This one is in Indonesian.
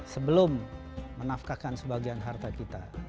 sebelum menafkakan sebagian harta kita